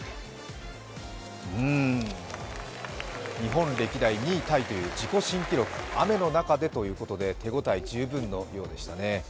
日本歴代２位タイいう歴代新記録、雨の中でということで手応え十分のようでしたね。